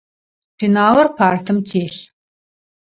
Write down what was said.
Пеналыр партым телъ.